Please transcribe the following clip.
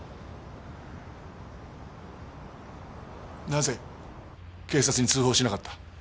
なぜ警察に通報しなかった？